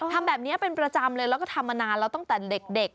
ทำแบบนี้เป็นประจำเลยแล้วก็ทำมานานแล้วตั้งแต่เด็ก